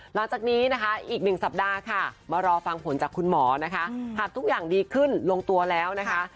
หลังจากนี้นะคะอีกหนึ่งสัปดาห์ค่ะมารอฟังผลจากคุณหมอนะคะหากทุกอย่างดีขึ้นลงตัวแล้วนะคะ